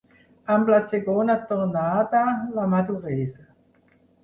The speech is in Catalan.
Amb la segona tornada, la maduresa.